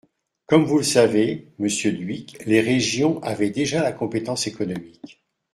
Comme vous le savez, monsieur Dhuicq, les régions avaient déjà la compétence économique.